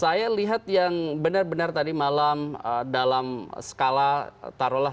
saya lihat yang benar benar tadi malam dalam skala taruhlah